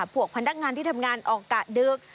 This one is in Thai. พวกพนักงานที่ทำงานออกกะดึก